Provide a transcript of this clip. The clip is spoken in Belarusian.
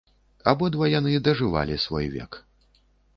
Абодва яны дажывалі свой век.